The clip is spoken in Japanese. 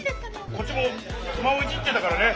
「こっちもスマホいじってたからね」。